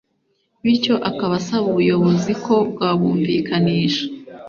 bityo akaba asaba ubuyobozi ko bwabumvikanisha